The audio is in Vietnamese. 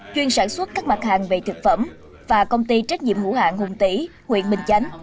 chuyên sản xuất các mặt hàng về thực phẩm và công ty trách nhiệm hữu hạng hùng tỷ huyện bình chánh